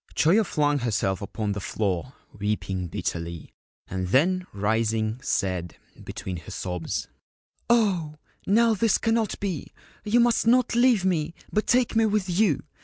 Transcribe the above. Choyo flung herself upon the floor, weeping bitterly, and then rising, said, between her sobs :' Oh, now, this cannot be ! You must not leave me, but take me with you.